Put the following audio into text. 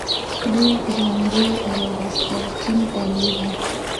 دوی ژوندي لوبسټر چین ته لیږي.